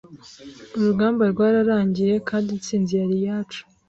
urugamba rwararangiye kandi intsinzi yari iyacu.